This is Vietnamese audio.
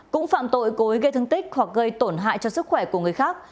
cũng phạm tội cối gây thương tích hoặc gây tổn hại cho sức khỏe của người khác